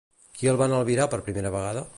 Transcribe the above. Qui el van albirar per primera vegada?